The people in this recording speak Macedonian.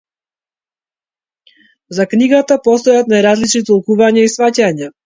За книгата постојат најразлични толкувања и сфаќања.